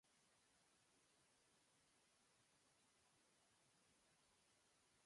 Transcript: Sbalil si svých pět švestek a odstěhoval se do Humpolce.